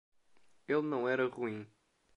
Ele não era ruim.